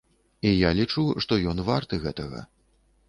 І я лічу, што ён варты гэтага.